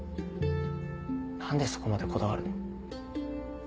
何でそこまでこだわるの？